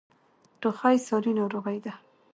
ټوخی ساری ناروغۍ ده.